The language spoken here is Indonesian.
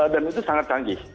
dan itu sangat canggih